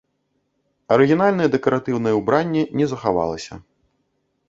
Арыгінальнае дэкаратыўнае ўбранне не захавалася.